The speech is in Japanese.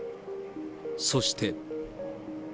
そして。